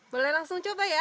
boleh langsung coba ya